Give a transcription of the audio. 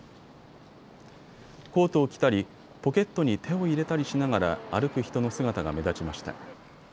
コートを着たり、ポケットに手を入れたりしながら歩く人の姿が目立ちました。